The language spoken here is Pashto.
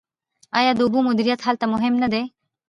آیا د اوبو مدیریت هلته مهم نه دی؟